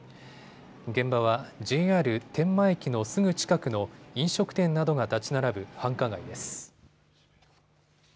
現場はＪＲ天満駅のすぐ近くの飲食店などが建ち並ぶ繁華街です。